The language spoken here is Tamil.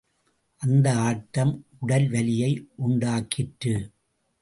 அந்த ஆட்டம் உடல்வலியை உண்டாக்கிற்று.